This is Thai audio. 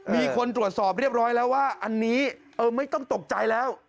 มีคนตรวจสอบเรียบร้อยแล้วว่าอันนี้ไม่ต้องตกใจแล้ว